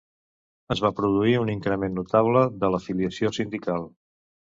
Es va produir un increment notable de l'afiliació sindical.